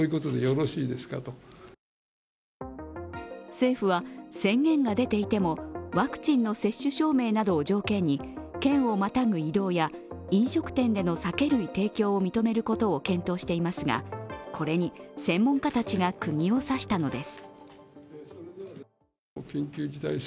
政府は宣言が出ていても、ワクチンの接種証明などを条件に県をまたぐ移動や飲食店での酒類提供を認めることを検討していますがこれに、専門家たちがくぎを刺したのです。